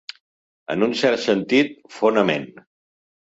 En un cert sentit, fonament.